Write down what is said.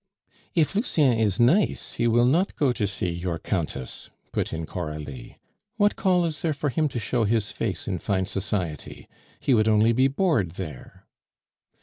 "If Lucien is nice, he will not go to see your Countess," put in Coralie. "What call is there for him to show his face in fine society? He would only be bored there."